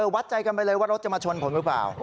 วัดใจกันไปเลยว่ารถจะมาชนผมหรือเปล่า